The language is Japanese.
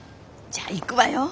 じゃあいくわよ。